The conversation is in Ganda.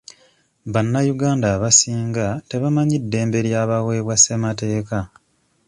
Bannayuganda abasinga tebamanyi ddembe lya baweebwa ssemateeka.